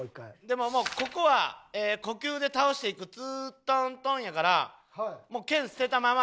でももうここは呼吸で倒していく「ツー・トン・トン」やからもう剣捨てたまま。